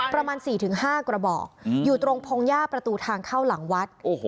ประมาณ๔๕กระบอกอยู่ตรงพงหญ้าประตูทางเข้าหลังวัด